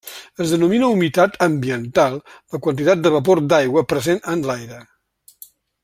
Es denomina humitat ambiental la quantitat de vapor d'aigua present en l'aire.